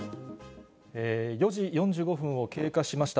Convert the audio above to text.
４時４５分を経過しました。